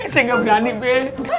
saya gak berani beb